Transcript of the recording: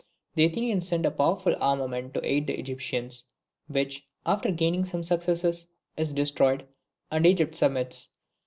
The Athenians send a powerful armament to aid the Egyptians, which, after gaining some successes, is destroyed, and Egypt submits.